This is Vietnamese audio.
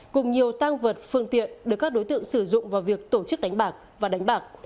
cùng nhiều tăng vật phương tiện được các đối tượng sử dụng vào việc tổ chức đánh bạc và đánh bạc